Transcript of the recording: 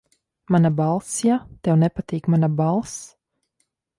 Mana balss, ja? Tev nepatīk mana balss.